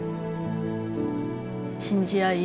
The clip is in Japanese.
信じ合い